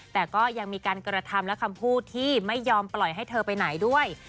แต่ก็ยังมีการกระทำและคำพูดที่ไม่ยอมปล่อยให้เธอไปไหนด้วย